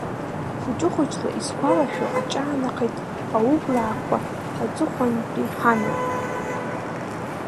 Хуҷы-хуҷла исгуалашәо аҿаанахеит аублаақуа аҵыхутәантәи ҳамҩа…